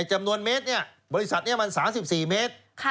ไอ้จำนวนเมตรเนี่ยบริษัทเนี่ยมัน๓๔เมตร